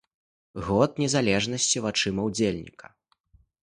Год незалежнасці вачыма ўдзельніка.